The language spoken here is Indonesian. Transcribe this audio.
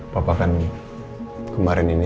papa kan kemarin ini